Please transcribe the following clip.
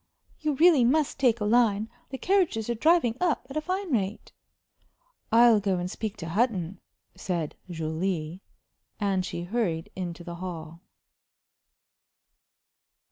You really must take a line. The carriages are driving up at a fine rate." "I'll go and speak to Hutton," said Julie. And she hurried into the hall.